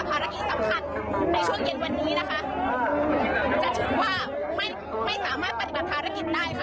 ภารกิจสำคัญในช่วงเย็นวันนี้นะคะจะถือว่าไม่ไม่สามารถปฏิบัติภารกิจได้ค่ะ